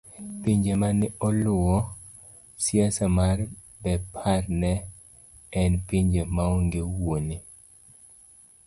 pinje mane oluwo siasa mar Bepar ne en pinje maonge wuone